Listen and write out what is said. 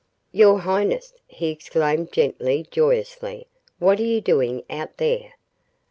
"Your highness!" he exclaimed gently, joyously. "What are you doing out there?"